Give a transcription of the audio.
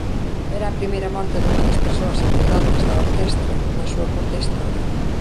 Era a primeira morte dunha das persoas integrantes da orquestra na súa curta historia.